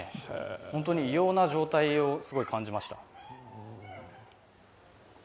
本当に異様な状態を感じました。